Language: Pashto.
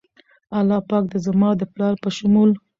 الله پاک د زما د پلار په شمول